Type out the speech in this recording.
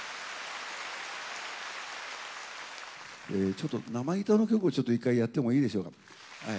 ちょっと生ギターの曲をちょっと一回やってもいいでしょうか？